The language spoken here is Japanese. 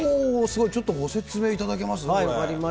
すごい、ちょっとご説明いただけますか、これ。